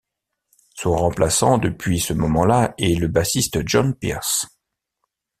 Son remplaçant depuis ce moment-là est le bassiste John Pierce.